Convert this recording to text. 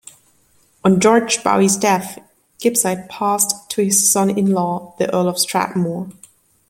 On George Bowes' death, Gibside passed to his son-in-law, the Earl of Strathmore.